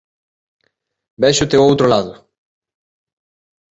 Véxote ao outro lado.